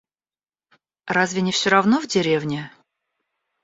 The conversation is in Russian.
Разве не все равно в деревне?